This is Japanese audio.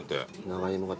長芋が。